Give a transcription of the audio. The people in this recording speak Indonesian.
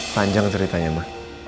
panjang ceritanya ma